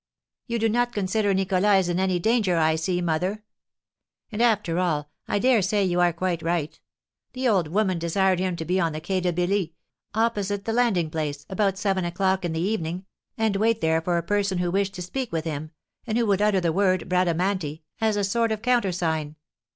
"You do not consider Nicholas is in any danger, I see, mother. And, after all, I dare say you are quite right! The old woman desired him to be on the Quai de Billy, opposite the landing place, about seven o'clock in the evening, and wait there for a person who wished to speak with him, and who would utter the word 'Bradamanti' as a sort of countersign.